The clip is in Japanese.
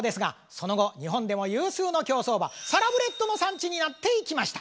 その後日本でも有数の競走馬サラブレッドの産地になっていきました。